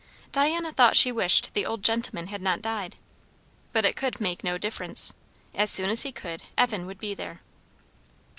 Diana thought she wished the old gentlemen had not died. But it could make no difference. As soon as he could, Evan would be there.